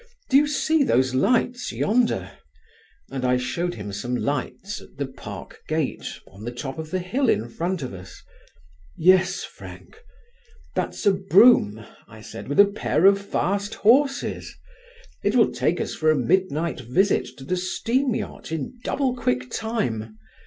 "Do you see those lights yonder?" and I showed him some lights at the Park gate on the top of the hill in front of us. "Yes, Frank." "That's a brougham," I said, "with a pair of fast horses. It will take us for a midnight visit to the steam yacht in double quick time.